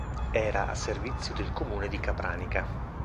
Era a servizio del comune di Capranica.